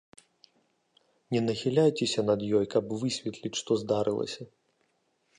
Не нахіляйцеся над ёй, каб высветліць, што здарылася.